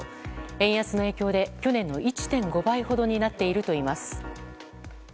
円安の影響で去年の１．５倍程になっているといいます。